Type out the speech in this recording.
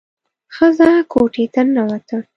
ښځه کوټې ته ننوته.